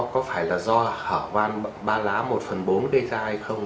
có phải là do hở van ba lá một phần bốn gây ra hay không